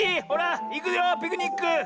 ほらいくよピクニック！